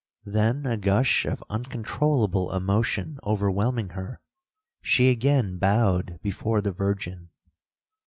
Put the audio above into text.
Then a gush of uncontroulable emotion overwhelming her, she again bowed before the Virgin.